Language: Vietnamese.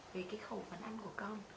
về cái khẩu phấn ăn của họ